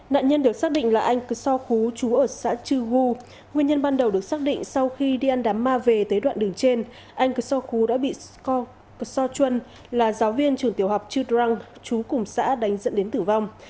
nạn nhân được xác định là anh cơ so khú chú ở xã chư gu nguyên nhân ban đầu được xác định sau khi đi ăn đám ma về tới đoạn đường trên anh cơ so khú đã bị so chuan là giáo viên trường tiểu học chư trăng chú cùng xã đánh dẫn đến tử vong